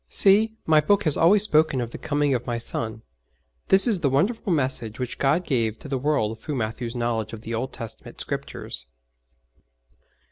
'See, My Book has always spoken of the coming of My Son.' This is the wonderful message which God gave to the world through Matthew's knowledge of the Old Testament Scriptures.